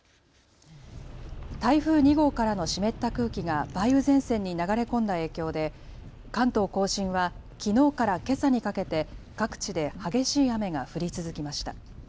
台風２号からの湿った空気が梅雨前線に流れ込んだ影響で関東甲信はきのうからけさにかけて各地で激しい雨が降り続きました。